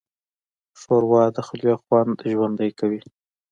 ښوروا د خولې خوند ژوندی کوي.